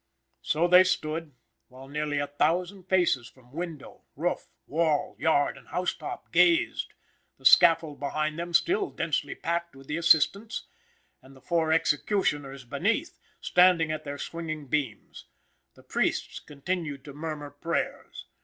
So they stood, while nearly a thousand faces from window, roof, wall, yard and housetop, gazed, the scaffold behind them still densely packed with the assistants, and the four executioners beneath, standing at their swinging beams. The priests continued to murmur prayers.